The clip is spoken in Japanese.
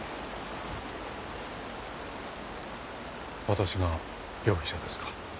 私が容疑者ですか？